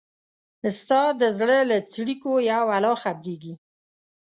ستا د زړه له څړیکو یو الله خبریږي